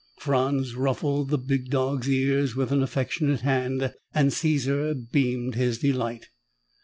Franz ruffled the big dog's ears with an affectionate hand and Caesar beamed his delight.